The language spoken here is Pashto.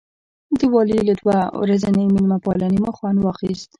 د والي له دوه ورځنۍ مېلمه پالنې مو خوند واخیست.